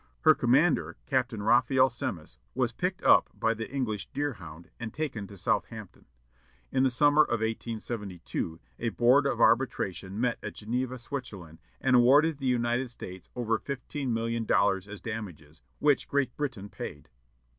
Her commander, Captain Raphael Semmes, was picked up by the English Deerhound, and taken to Southampton. In the summer of 1872, a board of arbitration met at Geneva, Switzerland, and awarded the United States over fifteen million dollars as damages, which Great Britain paid.